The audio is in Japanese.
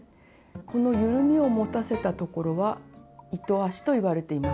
このゆるみを持たせたところは「糸足」といわれています。